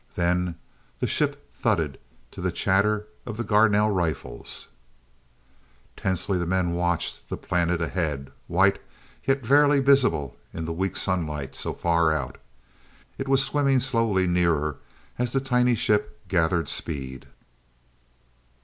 Then the ship thudded to the chatter of the Garnell rifles. Tensely the men watched the planet ahead, white, yet barely visible in the weak sunlight so far out. It was swimming slowly nearer as the tiny ship gathered speed.